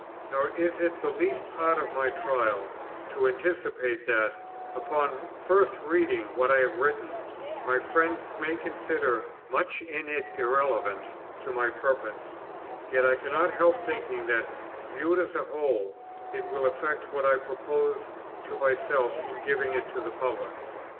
Nor is it the least part of my trial, to anticipate that, upon first reading what I have written, my friends may consider much in it irrelevant to my purpose; yet I cannot help thinking that, viewed as a whole, it will effect what I propose to myself in giving it to the public.